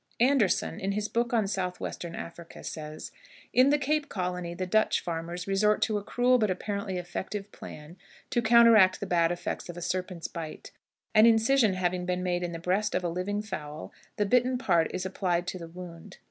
Andersson, in his book on Southwestern Africa, says: "In the Cape Colony the Dutch farmers resort to a cruel but apparently effective plan to counteract the bad effects of a serpent's bite. An incision having been made in the breast of a living fowl, the bitten part is applied to the wound.